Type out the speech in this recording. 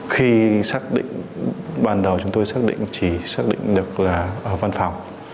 khi xác định ban đầu chúng tôi xác định chỉ xác định được là ở văn phòng